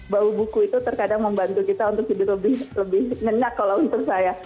bahwa buku itu terkadang membantu kita untuk tidur lebih ngenyak kalau untuk saya